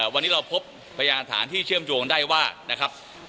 วันนี้เราพบพยานฐานที่เชื่อมโยงได้ว่านะครับ